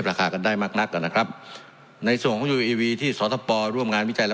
ราคากันได้มากนักนะครับในส่วนของยูเอวีที่สทปร่วมงานวิจัยและ